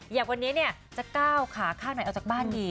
อย่างวันนี้เนี่ยจะก้าวขาข้างไหนออกจากบ้านดี